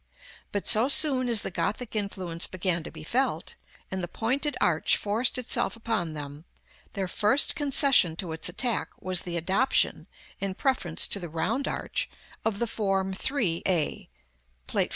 But so soon as the Gothic influence began to be felt, and the pointed arch forced itself upon them, their first concession to its attack was the adoption, in preference to the round arch, of the form 3 a (Plate XIV.